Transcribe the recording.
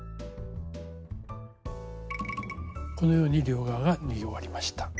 このように両側が縫い終わりました。